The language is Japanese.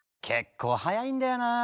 結構早いんだよな。